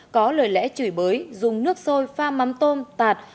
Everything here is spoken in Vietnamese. có lời lẽ chửi bới dùng nước sôi pha mắm tôm tạt